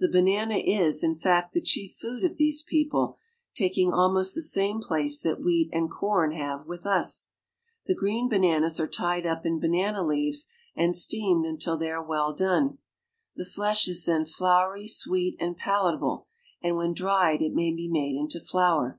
The banana is, in t'fact, the chief food of these people, taking almost the K«ame place that wheat and corn have with us. The green El>ajianas are tied up ^in banana leaves 9nd steamed until rehey are well done ; flesh is then toury, sweet, and talatable, and when tdried it may be ! into ilour.